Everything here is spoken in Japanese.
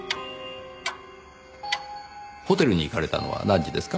ホテルに行かれたのは何時ですか？